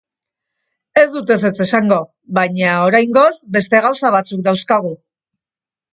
Ez dut ezetz esango, baina, oraingoz, beste gauza batzuk dauzkagu.